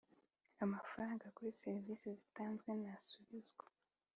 amafaranga kuri serivisi zitanzwe ntasubizwa